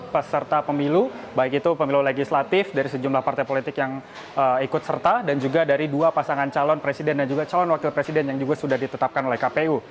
peserta pemilu baik itu pemilu legislatif dari sejumlah partai politik yang ikut serta dan juga dari dua pasangan calon presiden dan juga calon wakil presiden yang juga sudah ditetapkan oleh kpu